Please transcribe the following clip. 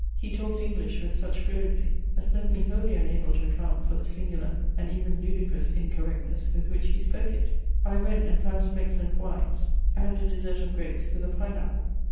He talked English with such fluency, as left me wholly unable to account for the singular and even ludicrous incorrectness with which he spoke it. I went, and found some excellent wines and a dessert of grapes with a pine apple.